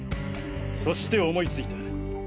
そして思いついた。